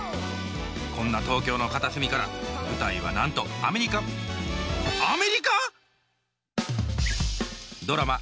こんな東京の片隅から舞台はなんとアメリカドラマ